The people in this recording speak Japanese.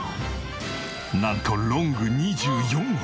なんとロング２４本。